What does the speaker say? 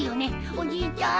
おじいちゃん